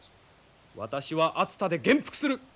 私は熱田で元服する。